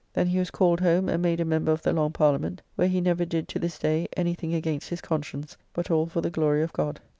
Then he was called home, and made a member of the Long Parliament; where he never did, to this day, any thing against his conscience, but all for the glory of God.